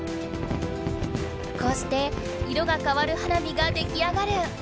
こうして色が変わる花火が出来上がる。